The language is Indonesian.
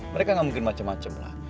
mereka gak mungkin macem macem lah